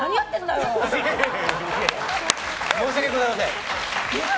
申し訳ございません。